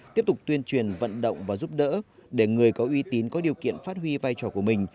tiếp tục tuyên truyền vận động và giúp đỡ để người có uy tín có điều kiện phát huy vai trò của mình